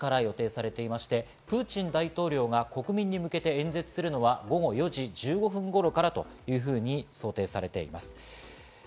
時間の午後４時から予定されていましてプーチン大統領が国民に向けて演説するのは午後４時１５分頃からというふうに想定されています。